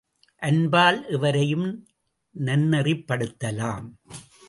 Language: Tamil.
அன்பால் எவரையும் நன்னெறிப்படுத்தலாம்.